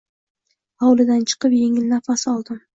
Hovlidan chiqib, yengil nafas oldim.